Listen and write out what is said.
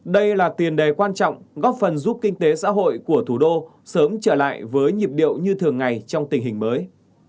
đây là tiền đề quan trọng góp phần giúp kinh tế xã hội của thủ đô sớm trở lại với nhịp điệu như thường ngày trong tình hình mới